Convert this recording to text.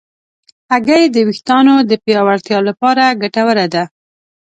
هګۍ د ویښتانو د پیاوړتیا لپاره ګټوره ده.